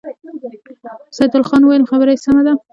سيدال خان وويل: خبره يې سمه ده.